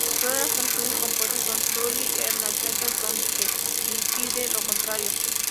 Todas las canciones compuestas por Sully Erna, excepto donde se indique lo contrario.